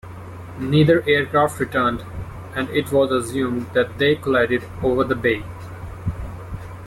Neither aircraft returned, and it was assumed that they collided over the bay.